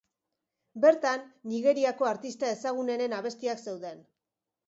Bertan Nigeriako artista ezagunenen abestiak zeuden.